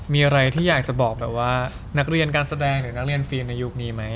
มีอะไรที่อยากจะบอกแบบว่านักเรียนการแสดงหรือนักเรียนฟิล์มในยุคนี้ไหม